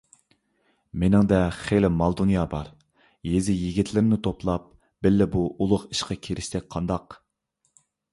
مېنىڭدە خېلى مال - دۇنيا بار، يېزا يىگىتلىرىنى توپلاپ، بىللە بۇ ئۇلۇغ ئىشقا كىرىشسەك قانداق؟